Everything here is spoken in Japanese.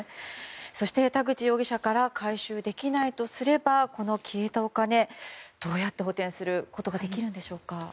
そして、田口容疑者から回収できないとすれば消えたお金はどうやって補てんすることができるんでしょうか。